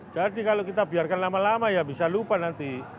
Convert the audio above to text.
jadi kalau kita biarkan lama lama ya bisa lupa nanti